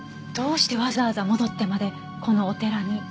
どうしてわざわざ戻ってまでこのお寺に？